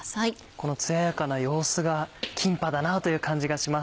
このつややかな様子がキンパだなという感じがします。